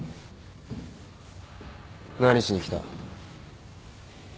何しに来た？